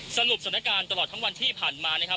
สรุปสถานการณ์ตลอดทั้งวันที่ผ่านมานะครับ